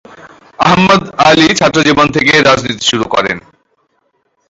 আহম্মদ আলী ছাত্র জীবন থেকে রাজনীতি শুরু করেন।